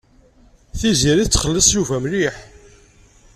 Tiziri tettxelliṣ Yuba mliḥ.